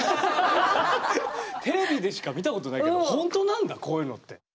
テレビでしか見たことないけどほんとなんだこういうのって。